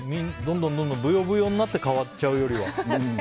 どんどん、ぶよぶよになって変わっちゃうよりは。